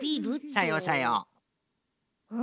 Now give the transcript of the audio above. さようさよう。